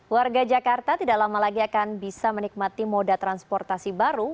warga jakarta tidak lama lagi akan bisa menikmati moda transportasi baru